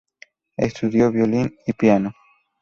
Estudió violín y piano.